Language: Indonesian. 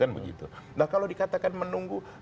nah kalau dikatakan menunggu